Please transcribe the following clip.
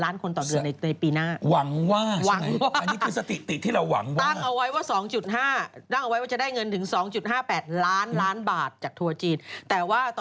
เนี่ยตลาดยุโรปและอเมริกาที่จะกลับมาในช่วงหน้าหนาว